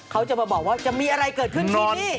เขาจะมาบอกว่าจะมีอะไรเกิดขึ้นที่นี่